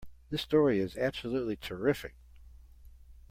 This story is absolutely terrific!